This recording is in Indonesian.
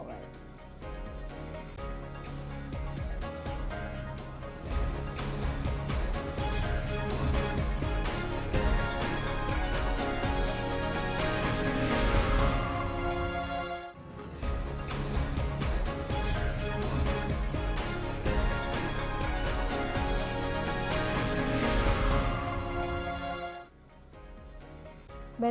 terima kasih pak pak